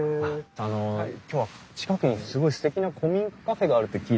あの今日は近くにすごいすてきな古民家カフェがあるって聞いてきたんですけど。